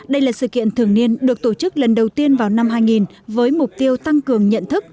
đây là sự kiện thường niên được tổ chức lần đầu tiên vào năm hai nghìn với mục tiêu tăng cường nhận thức